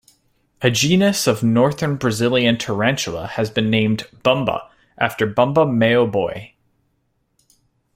A genus of Northern Brazilian tarantula has been named "bumba", after Bumba Meu Boi.